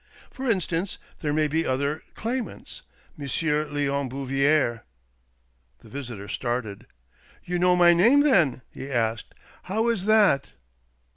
For instance, there may be other claimants, Monsieur Leon Bouvier." The visitor started. " You know my name then?" he asked. "How is that?"